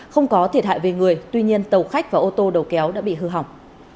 không có thiệt hại về người tuy nhiên tàu khách và ô tô đầu kéo đã bị hư hỏng